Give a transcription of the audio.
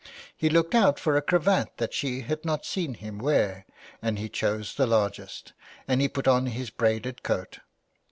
He looked out for a cravat that she had not seen him wear, and he chose the largest, and he put on his braided coat.